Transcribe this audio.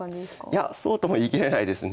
いやそうとも言い切れないですね。